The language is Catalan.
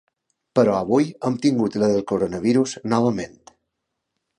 Però avui hem tingut la del coronavirus novament.